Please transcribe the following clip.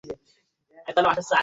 ওররে, পুরো পৃথিবী গ্রহের?